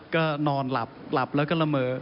ก็นอนหลับหลับแล้วก็ละเมอ